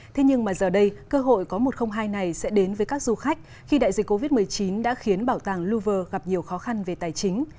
thế nhưng mà giờ đây cơ hội có một trăm linh hai này sẽ đến với các du khách khi đại dịch covid một mươi chín đã khiến bảo tàng louvre gặp nhiều khó khăn về tài chính